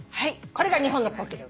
これが日本のポッキー。